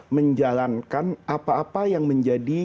menjalankan apa apa yang menjadi